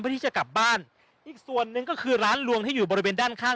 ที่จะกลับบ้านอีกส่วนหนึ่งก็คือร้านลวงที่อยู่บริเวณด้านข้าง